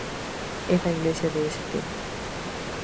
En la iglesia de St.